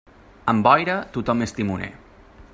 Amb boira, tothom és timoner.